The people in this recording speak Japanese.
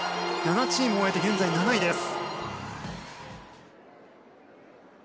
７チーム終えて現在７位です。